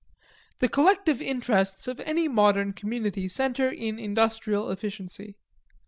The collective interests of any modern community center in industrial efficiency.